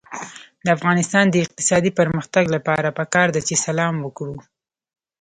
د افغانستان د اقتصادي پرمختګ لپاره پکار ده چې سلام وکړو.